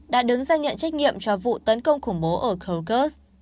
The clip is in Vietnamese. đã đứng ra nhận trách nhiệm cho vụ tấn công khủng bố ở krogus